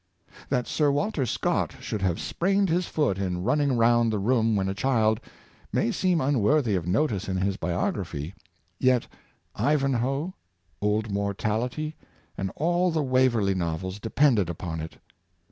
That Sir Walter Scott should have sprained his foot in running round the room when a child, may seem unworthy of notice in his biography; yet, '' Ivanhoe," ^' Old Mortality," and all the Waverly novels, depended upon it.